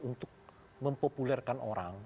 untuk mempopulerkan orang